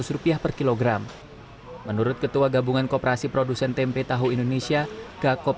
tujuh ribu dua ratus rupiah per kilogram menurut ketua gabungan koperasi produsen tempe tahu indonesia kakop